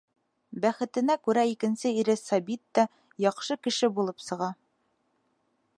Бәхетенә күрә, икенсе ире Сабит та яҡшы кеше булып сыға.